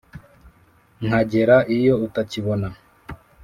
nkagera iyo utakibona,